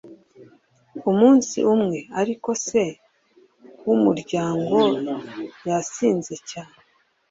umunsi umwe ariko, se wumuryango yasinze cyane